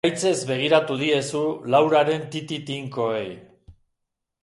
Bekaitzez begiratu diezu Lauraren titi tinkoei.